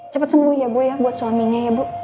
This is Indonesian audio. cepat sembuh ya bu ya buat suaminya ya bu